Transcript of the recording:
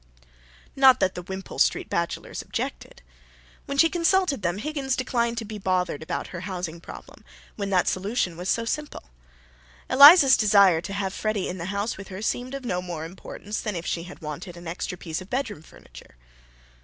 Not that the Wimpole Street bachelors objected. When she consulted them, Higgins declined to be bothered about her housing problem when that solution was so simple. Eliza's desire to have Freddy in the house with her seemed of no more importance than if she had wanted an extra piece of bedroom furniture.